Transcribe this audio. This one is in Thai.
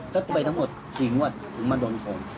จะไปทั้งหมด๔งวัดถึงมาโดนโครง